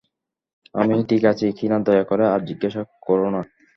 আমি ঠিক আছি কিনা দয়া করে আর জিজ্ঞাসা কোরো না।